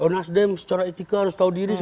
nasdem secara etika harus tahu diri